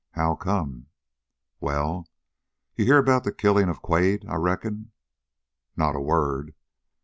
"How come?" "Well, you hear about the killing of Quade, I reckon?" "Not a word."